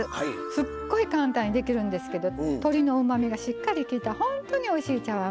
すっごい簡単にできるんですけど鶏のうまみがしっかりきいたほんとにおいしい茶碗蒸しです。